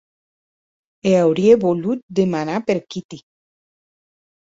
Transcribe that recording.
E aurie volut demanar per Kitty.